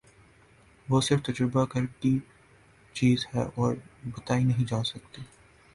وہ صرف تجربہ کر کی چیز ہے اور بتائی نہیں جاسک